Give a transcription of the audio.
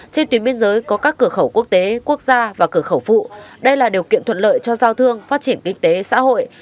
trên tuyến biên giới có các cửa khẩu quốc tế quốc gia và cửa khẩu phụ đây là điều kiện thuận lợi cho giao thương phát triển kinh tế xã hội